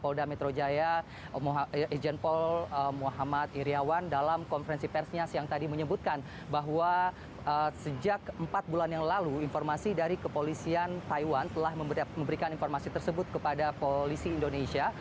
polda metro jaya ijen paul muhammad iryawan dalam konferensi persnya siang tadi menyebutkan bahwa sejak empat bulan yang lalu informasi dari kepolisian taiwan telah memberikan informasi tersebut kepada polisi indonesia